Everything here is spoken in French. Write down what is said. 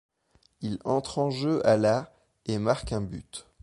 Il entre en jeu à la et marque un but.